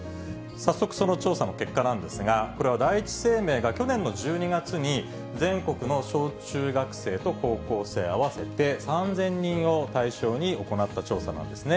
早速、その調査の結果なんですが、これは第一生命が去年の１２月に全国の小中学生と高校生合わせて３０００人を対象に行った調査なんですね。